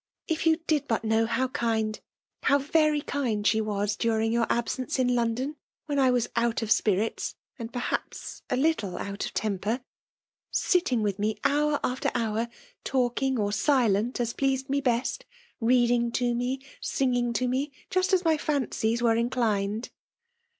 IT you did but know how kind, how very kind she was during your absence in London, when I was out of spirits, and, perhaps, a little out of temper — sitting with me hour after hour, talking or silent as pleased me best; read ing to me, singing to me; just as my fan cies were inclined."